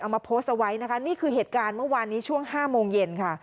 มาโพสต์เอาไว้นะคะนี่คือเหตุการณ์เมื่อวานนี้ช่วง๕โมงเย็นค่ะ